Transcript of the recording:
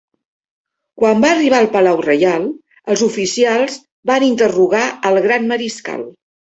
Quan va arribar al palau reial, els oficials van interrogar al Gran Mariscal.